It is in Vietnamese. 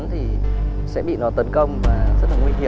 không sao đâu chị